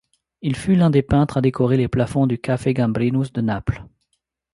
Il fut l'un des peintres à décorer les plafonds du Caffè Gambrinus de Naples.